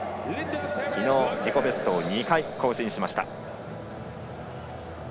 昨日自己ベストを２回更新しました。